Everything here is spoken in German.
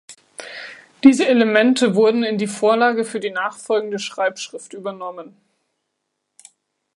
Diese Elemente wurden in die Vorlage für die nachfolgende Schreibschrift übernommen.